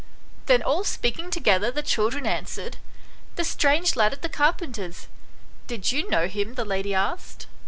Then all speaking together the children answered " The strange lad at the carpenter's." " Did you know him ?" the lady asked.